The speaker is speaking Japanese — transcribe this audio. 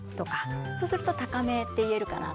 そうすると高めって言えるかな。